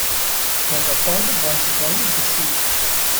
The record was well received.